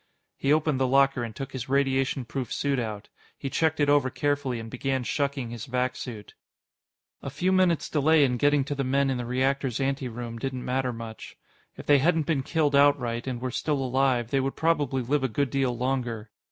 He opened the locker and took his radiation proof suit out. He checked it over carefully and began shucking his vac suit. A few minutes delay in getting to the men in the reactor's anteroom didn't matter much. If they hadn't been killed outright, and were still alive, they would probably live a good deal longer.